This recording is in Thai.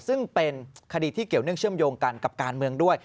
ซึ่งเป็นคดีที่เกี่ยวเนื่องเชื่อมโยงกันกับการเมืองด้วย